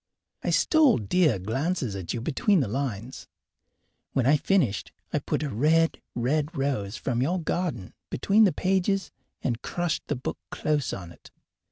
I stole dear glances at you between the lines. When I finished I put a red, red rose from your garden between the pages and crushed the book close on it.